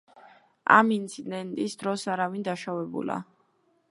ამ ინციდენტის დროს არავინ დაშავებულა.